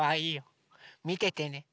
みててね。